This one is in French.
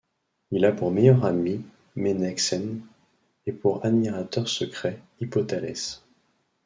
Il a pour meilleur ami Ménexène, et pour admirateur secret Hippothalès.